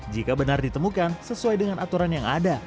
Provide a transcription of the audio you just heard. jika benar ditemukan sesuai dengan aturan yang ada